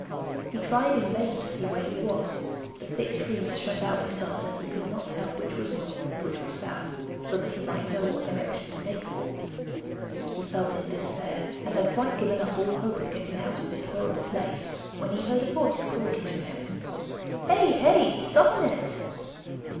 He tried in vain to see where he was: the thick trees shut out the sun, and he could not tell which was north and which was south, so that he might know what direction to make for. He felt in despair, and had quite given up all hope of getting out of this horrible place, when he heard a voice calling to him. 'Hey! hey! stop a minute!